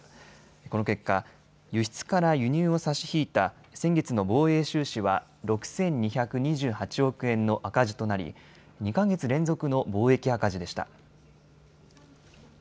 この結果、輸出から輸入を差し引いた先月の貿易収支は６２２８億円の赤字となり２か月連続の貿易赤字でした。